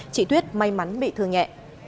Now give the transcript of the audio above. chị thuyết may mắn bị thương nhẹ